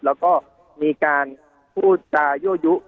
แล้วก็มีการพูดจายั่วยุ